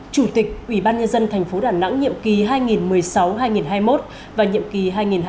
chủ tịch ủy ban nhân dân tp đà nẵng nhiệm kỳ hai nghìn một mươi sáu hai nghìn hai mươi một và nhiệm kỳ hai nghìn hai mươi một hai nghìn hai mươi một